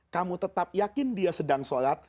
kamu tetap yakin dia sedang sholat